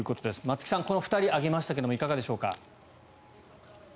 松木さんこの２人を挙げましたがいかがでしょうか？